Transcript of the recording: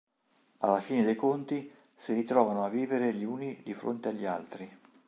Alla fine dei conti si ritrovarono a vivere gli uni di fronte agli altri.